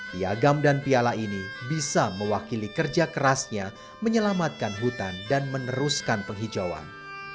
piagam dan piala ini bisa mewakili kerja kerasnya menyelamatkan hutan dan meneruskan penghijauan